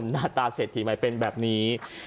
หน้าตาเศรษฐีใหม่เป็นแบบนี้